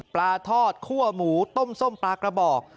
ปลาทอดคั่วหมูต้มส้มปลากระบอก